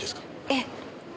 ええ。